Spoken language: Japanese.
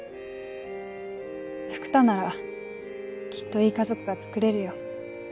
福多ならきっといい家族がつくれるよ。